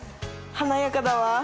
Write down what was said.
華やかだわ。